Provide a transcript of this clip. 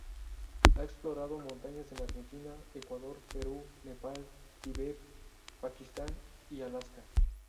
Ha explorado montañas en Argentina, Ecuador, Perú, Nepal, Tibet, Pakistán y Alaska.